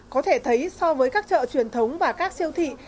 có thể thấy so với các chợ truyền thống và các siêu thị